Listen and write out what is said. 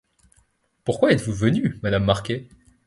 Pourquoi vous êtes venue, madame Marquet ?